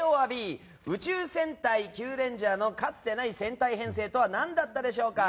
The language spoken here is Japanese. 「宇宙戦隊キュウレンジャー」のかつてない戦隊編成とは何だったでしょうか。